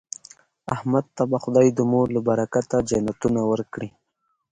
احمد ته به خدای د مور له برکته جنتونه ورکړي.